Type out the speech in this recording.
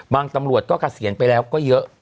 ตำรวจก็เกษียณไปแล้วก็เยอะ